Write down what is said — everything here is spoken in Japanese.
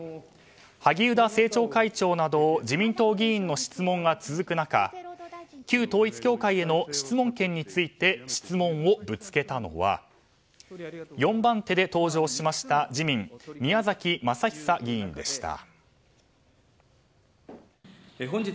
萩生田政調会長など自民党議員の質問が続く中旧統一教会への質問権について質問をぶつけたのは４番手で登場した自民、宮崎政久議員でした。